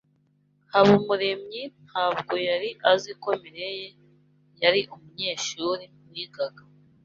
Habumuremyi ntabwo yari azi ko Mirelle yari umunyeshuri wigaga.